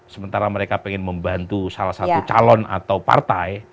sementara mereka ingin membantu salah satu calon atau partai